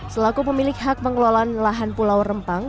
selaku pemilik hak pengelolaan lahan pulau rempang